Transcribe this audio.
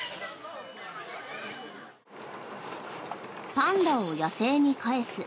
パンダを野生に返す。